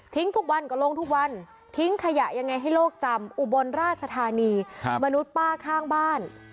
ทุกวันก็ลงทุกวันทิ้งขยะยังไงให้โลกจำอุบลราชธานีมนุษย์ป้าข้างบ้าน